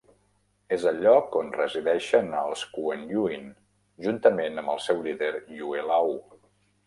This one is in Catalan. És el lloc on resideixen els Kuen-Yuin, juntament amb el seu líder, Yue-Laou.